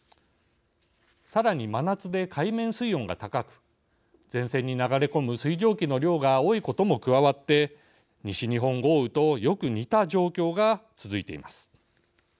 さらに、真夏で海面水温が高く前線に流れ込む水蒸気の量が多いことも加わって西日本豪雨とよく似た状況が続いています。